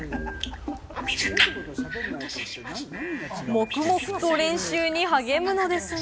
黙々と練習に励むのですが。